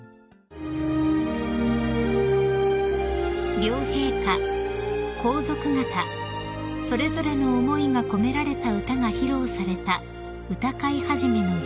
［両陛下皇族方それぞれの思いが込められた歌が披露された歌会始の儀］